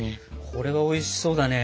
これはおいしそうだね。